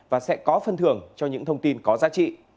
và sẽ có phân thưởng cho những thông tin có giá trị